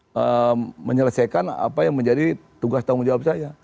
saya menyelesaikan apa yang menjadi tugas tanggung jawab saya